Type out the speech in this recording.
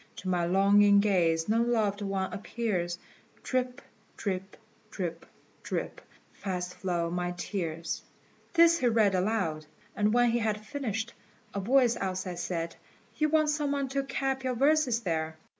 To my longing gaze no loved one appears; Drip, drip, drip, drip: fast flow my tears." This he read aloud; and when he had finished, a voice outside said, "You want some one to cap your verses there!"